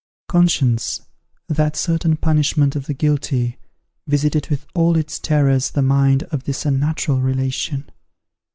Conscience, that certain punishment of the guilty, visited with all its terrors the mind of this unnatural relation.